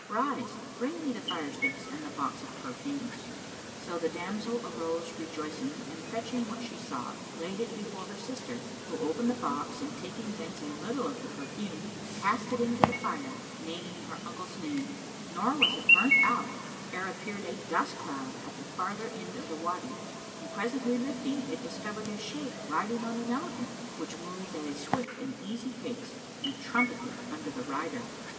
Rise, bring me the fire sticks and the box of perfumes." So the damsel arose rejoicing and, fetching what she sought, laid it before her sister, who opened the box and taking thence a little of the perfume, cast it into the fire, naming her unde's name; nor was it burnt out ere appeared a dust cloud at the farther end of the Wady; and presently lifting, it discovered a Shaykh riding on an elephant, which moved at a swift and easy pace, and trumpeted under the rider.